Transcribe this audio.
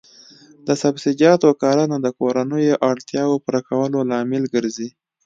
د سبزیجاتو کرنه د کورنیو اړتیاوو پوره کولو لامل ګرځي.